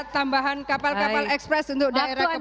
tambahan kapal kapal ekspres untuk daerah kepulauan